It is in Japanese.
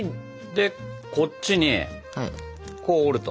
でこっちにこう折ると。